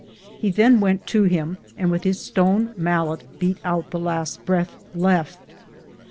He then went to him and with his stone mallet beat out the last breath left.